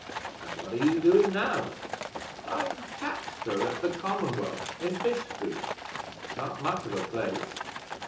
"And what are you doing now?" "I'm tapster at the 'Commonwealth,' in Fish street not much of a place."